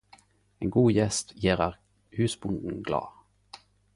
Ein god Gjest gjerer Husbonden glad.